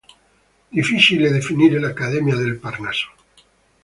Difficile definire l'Accademia del Parnaso.